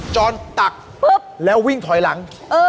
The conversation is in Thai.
จอห์นตักแล้ววิ่งถอยหลัง